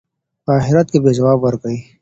په آخرت کې به ځواب ورکوئ.